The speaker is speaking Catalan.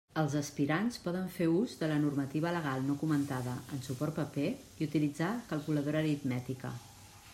Els aspirants poden fer ús de la normativa legal no comentada en suport paper i utilitzar calculadora aritmètica.